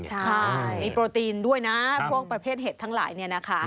ใช่มีโปรตีนด้วยนะพวกประเภทเห็ดทั้งหลายเนี่ยนะคะ